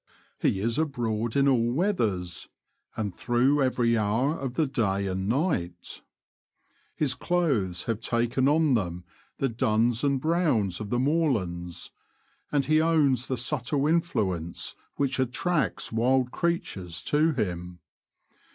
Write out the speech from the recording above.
He is abroad in all weathers, and through every hour of the day and night. His clothes have taken on them the duns and browns of the moorlands ; and he owns the subtle in fluence which attracts wild creatures to him.